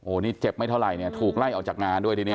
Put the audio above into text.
นี่เจ็บไม่เท่าไหร่เนี่ยถูกไล่ออกจากงานด้วยทีนี้